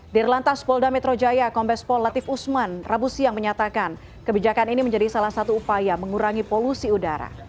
dirilantas polda metro jaya kombespol latif usman rabusi yang menyatakan kebijakan ini menjadi salah satu upaya mengurangi polusi udara